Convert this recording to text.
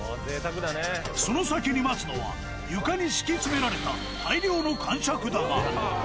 その先に待つのは、床に敷き詰められた、大量のかんしゃく玉。